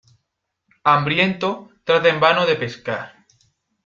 Hambriento, trata en vano de pescar.